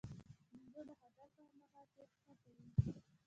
بیزو د خطر پر مهال تېښته کوي.